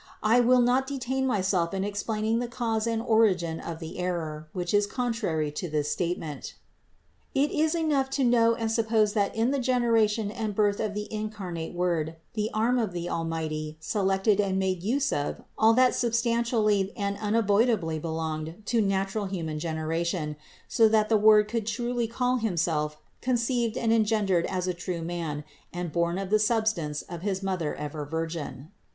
I will not detain myself in explaining the cause and origin of the error, which is contrary to this statement. It it enough to know and suppose that in the generation and birth of the incarnate Word the arm of the Almighty selected and made use of all that substantially and unavoidably belonged to natural human 400 CITY OF GOD generation, so that the Word could truly call Himself conceived and engendered as a true man and born of the substance of his Mother ever Virgin.